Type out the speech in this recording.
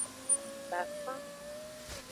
Bafan.